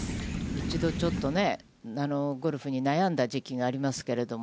一度ちょっとね、ゴルフに悩んだ時期がありますけれども。